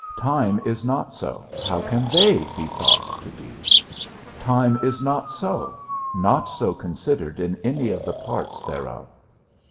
Time is not so; how can they be thought to be? Time is not so; not so considered in any of the parts thereof.